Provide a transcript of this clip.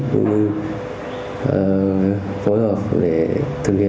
cũng như phối hợp để thực hiện nhiệm vụ đồng chí trưởng ca khác